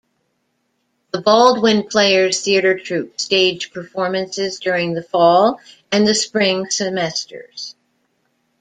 The Baldwin Players theatre troupe stage performances during the fall and the spring semesters.